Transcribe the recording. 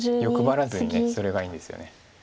欲張らずにそれがいいんですよね。